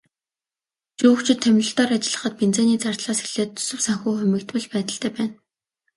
Шүүгчид томилолтоор ажиллахад бензиний зардлаас эхлээд төсөв санхүү хумигдмал байдалтай байна.